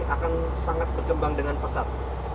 akan sangat berkembang dengan pesat